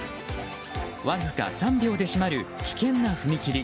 わずか３秒で閉まる危険な踏切。